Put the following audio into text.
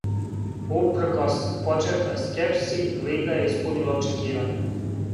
Упркос почетној скепси, лига је испунила очекивања.